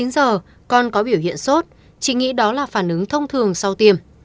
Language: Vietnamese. một mươi chín giờ con có biểu hiện sốt chị nghĩ đó là phản ứng thông thường sau tiêm